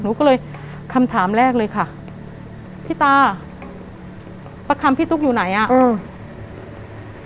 หนูก็เลยคำถามแรกเลยค่ะพี่ตาประคำพี่ตุ๊กอยู่ไหนอ่ะอืม